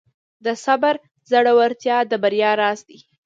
د صبر زړورتیا د بریا راز دی.